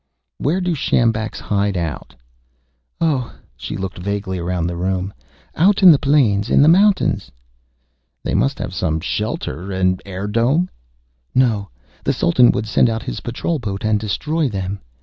'" "Where do the sjambaks hide out?" "Oh," she looked vaguely around the room, "out on the plains. In the mountains." "They must have some shelter an air dome." "No. The Sultan would send out his patrol boat and destroy them.